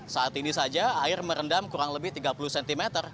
saat ini saja air merendam kurang lebih tiga puluh cm